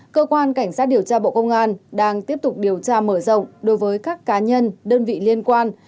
cơ quan cảnh sát điều tra bộ công an đang tiếp tục điều tra mở rộng đối với các cá nhân đơn vị liên quan